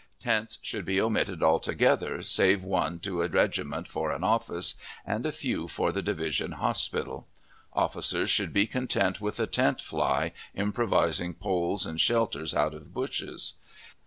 Tents should be omitted altogether, save one to a regiment for an office, and a few for the division hospital. Officers should be content with a tent fly, improvising poles and shelter out of bushes.